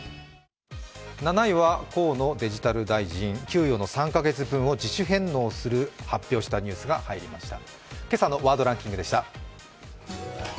７位は河野デジタル大臣、給与の３か月分を自主返納を発表したものが入りました。